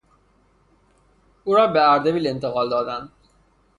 او را به اردبیل انتقال دادند.